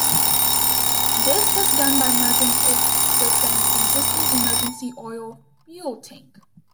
This was done by merging it with an existing emergency oil fuel tank.